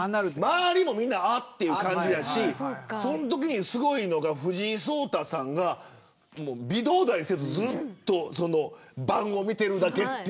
周りもああって感じやしそのときにすごいのが藤井聡太さんが微動だにせずずっと盤を見てるだけ。